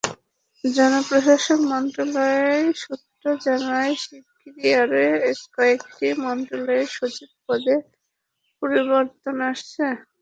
জনপ্রশাসন মন্ত্রণালয় সূত্র জানায়, শিগগির আরও কয়েকটি মন্ত্রণালয়ে সচিব পদে পরিবর্তন আসছে।